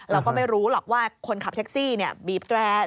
เราก็ไม่รู้หรอกว่าคนขับแท็กซี่บีบแกระหรืออะไรยังไง